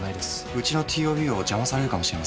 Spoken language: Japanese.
うちのＴＯＢを邪魔されるかもしれません。